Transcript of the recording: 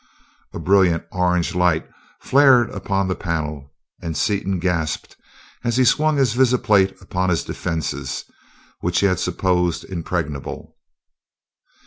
A brilliant orange light flared upon the panel, and Seaton gasped as he swung his visiplate upon his defenses, which he had supposed impregnable.